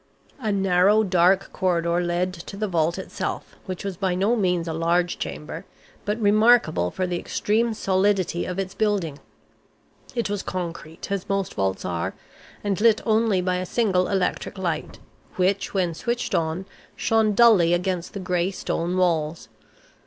A narrow, dark corridor led to the vault itself, which was by no means a large chamber, but remarkable for the extreme solidity of its building. It was concrete, as most vaults are, and lit only by a single electric light, which, when switched on, shone dully against the gray stone walls.